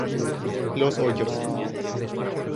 Los Hoyos.